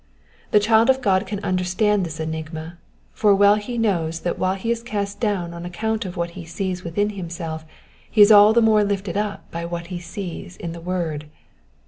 The child of God can understand this enigma, for well he knows that while he is cast down on account of what he sees within himself he is all the more lifted up by what he sees in the word.